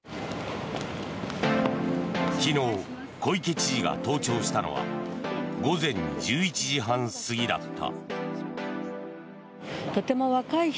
昨日、小池知事が登庁したのは午前１１時半過ぎだった。